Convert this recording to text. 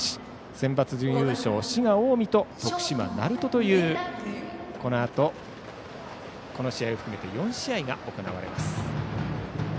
センバツ準優勝滋賀・近江と徳島・鳴門というこのあと、この試合を含めて４試合が行われます。